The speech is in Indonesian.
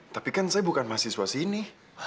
tapi kan saya bukan mahasiswa sini